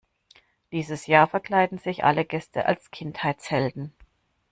Dieses Jahr verkleiden sich alle Gäste als Kindheitshelden.